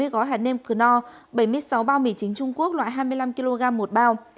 bảy mươi gói hạt nêm cunor bảy mươi sáu bao mì chính trung quốc loại hai mươi năm kg một bao